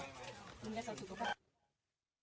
ป้าวันนี้ป้าไม่ได้ทานข้าพี่ไข่หรือว่ากินปัสสาวะ